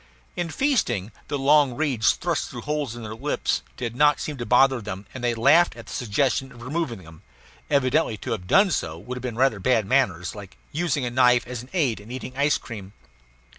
In feasting, the long reeds thrust through holes in their lips did not seem to bother them, and they laughed at the suggestion of removing them; evidently to have done so would have been rather bad manners like using a knife as an aid in eating ice cream.